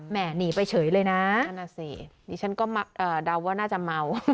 แหม่หนีไปเฉยเลยนะนั่นอ่ะสินี่ฉันก็เอ่อเดาว่าน่าจะเมา